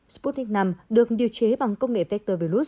sputnik v được điều chế bằng công nghệ vector virus